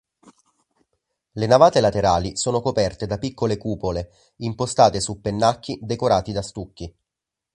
Le navate laterali sono coperte da piccole cupole, impostate su pennacchi decorati da stucchi.